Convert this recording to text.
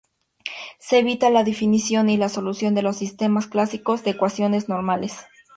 Se evita la definición y la solución de los sistemas clásicos de ecuaciones normales.